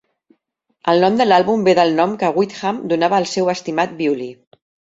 El nom de l'àlbum ve del nom que Wickham donava al seu "estimat" violí.